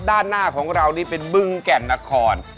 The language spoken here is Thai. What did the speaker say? ด้านหน้าของเรานี่เป็นบึงแก่นนคร